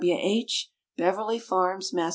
W. H. BEVERLY FARMS, MASS.